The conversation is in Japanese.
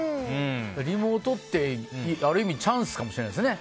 リモートって、ある意味チャンスかもしれないですね。